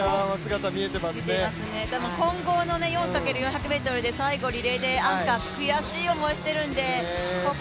混合の４×４００ｍリレーで最後リレーで、アンカー、悔しい思いをしているので、ここで。